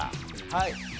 はい。